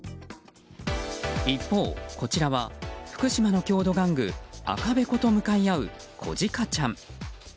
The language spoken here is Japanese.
一方、こちらは福島の郷土玩具赤べこと向かい合うこじかちゃん。